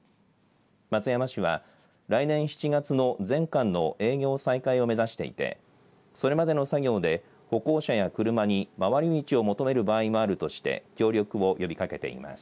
松山市は来年７月の全館の営業再開を目指していてそれまでの作業で歩行者や車に回り道を求める場合もあるとして協力を呼びかけています。